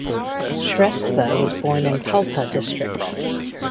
Shrestha was born in Palpa district.